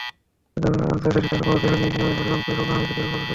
জানাজা শেষে তাঁর মরদেহ নিয়ে গ্রামের বাড়ি রংপুরে রওনা হয়েছেন পরিবারের সদস্যরা।